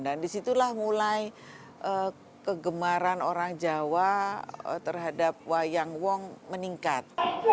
dan di situlah mulai kegemaran orang jawa terhadap wayang wong meningkat